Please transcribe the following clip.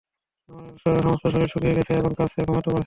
আমার সমস্ত শরীর শুকিয়ে গেছে এবং কাঁপছে, আবার ঘুমাতেও পারছি না।